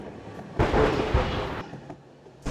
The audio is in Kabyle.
Ur telluẓemt.